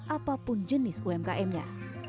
apapun jenis umkmnya